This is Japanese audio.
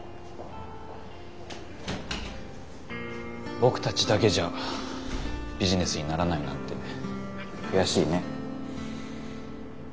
僕たちだけじゃビジネスにならないなんて悔しいね。